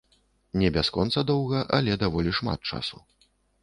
Не бясконца доўга, але даволі шмат часу.